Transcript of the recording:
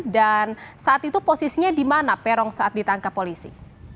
saat itu posisinya di mana peron saat ditangkap polisi